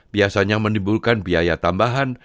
biasanya menimbulkan biaya tambahan